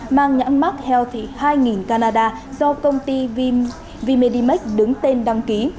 mang nhãn mark healthy hai nghìn canada do công ty v medimax đứng tên đăng ký